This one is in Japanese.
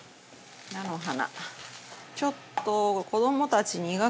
菜の花。